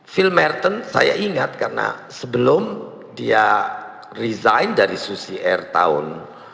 phil merton saya ingat karena sebelum dia resign dari susi air tahun dua ribu lima belas